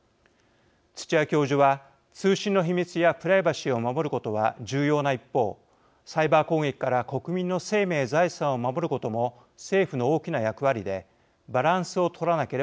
土屋教授は「通信の秘密やプライバシーを守ることは重要な一方サイバー攻撃から国民の生命財産を守ることも政府の大きな役割でバランスを取らなければいけない。